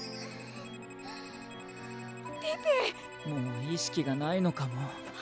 もう意識がないのかも。